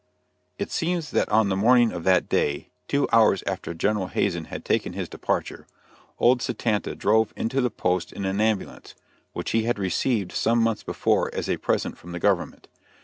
It seems that on the morning of that day, two hours after General Hazen had taken his departure, old Satanta drove into the post in an ambulance, which he had received some months before as a present from the government.